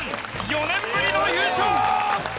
４年ぶりの優勝！